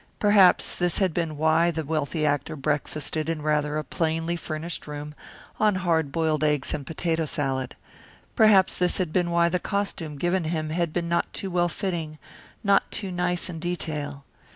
Perhaps this had been why the wealthy actor breakfasted in rather a plainly furnished room on hard boiled eggs and potato salad. Perhaps this had been why the costume given him had been not too well fitting, not too nice in detail.